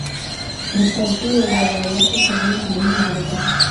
د فرضیو او روایاتو ترمنځ مهمه اړیکه ده.